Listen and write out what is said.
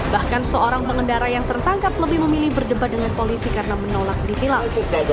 bahkan seorang pengendara yang tertangkap lebih memilih berdebat dengan polisi karena menolak ditilang